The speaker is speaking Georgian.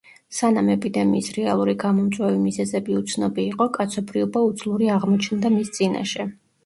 სანამ ეპიდემიის რეალური გამომწვევი მიზეზები უცნობი იყო, კაცობრიობა უძლური აღმოჩნდა მის წინაშე.